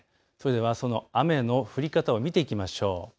その雨の降り方を見ていきましょう。